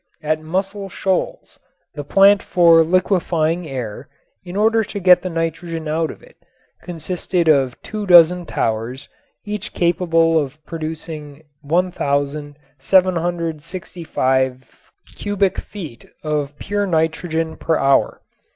At Muscle Shoals the plant for liquefying air, in order to get the nitrogen out of it, consisted of two dozen towers each capable of producing 1765 cubic feet of pure nitrogen per hour.